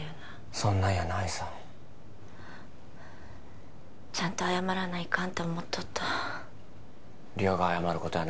そんなんやないさちゃんと謝らないかんって思っとった梨央が謝ることやな